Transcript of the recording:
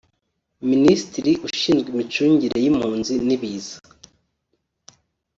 Minisitiri Ushinzwe Imicungire y’Impunzi n’Ibiza